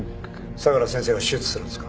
相良先生が手術するんですか？